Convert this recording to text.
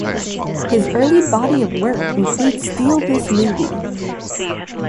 His early body of work includes Steal This Movie!